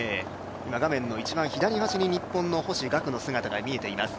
画面の一番左端に日本の星岳の姿が見えています。